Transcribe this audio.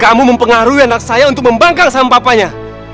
kamu mempengaruhi anak saya untuk membangkang papanya